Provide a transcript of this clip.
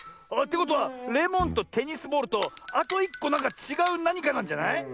あってことはレモンとテニスボールとあと１こなんかちがうなにかなんじゃない？